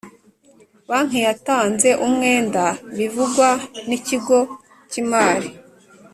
Banki yatanze umwenda bivugwa n’ ikigo kimari